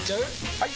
・はい！